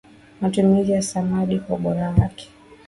matumizi ya samadi kwa ubora wake